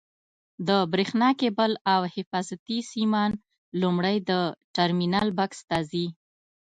د برېښنا کېبل او حفاظتي سیمان لومړی د ټرمینل بکس ته ځي.